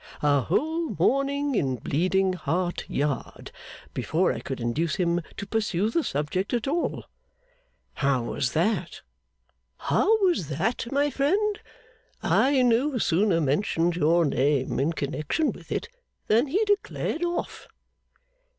'A whole morning in Bleeding Heart Yard, before I could induce him to pursue the subject at all?' 'How was that?' 'How was that, my friend? I no sooner mentioned your name in connection with it than he declared off.